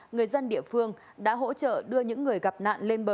người dân địa phương đã hỗ trợ đưa những người gặp nạn lên bờ